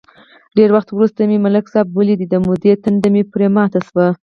ډېر وخت ورسته مې ملک صاحب ولید، د مودو تنده مې پرې ماته شوه.